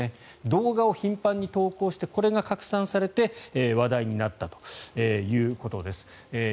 動画を頻繁に投稿してこれが拡散されて話題になったということです。